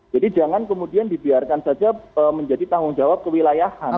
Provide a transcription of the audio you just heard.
jadi jangan kemudian dibiarkan saja menjadi tanggung jawab kewilayahan